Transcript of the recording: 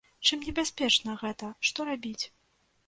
Чым небяспечна гэта, што рабіць?